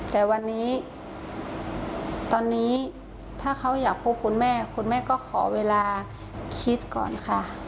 แต่วันนี้ตอนนี้ถ้าเขาอยากพบคุณแม่คุณแม่ก็ขอเวลาคิดก่อนค่ะ